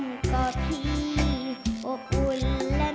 ยังคาบจึ้มจึ้มใจอยู่ไม่รู้โขลา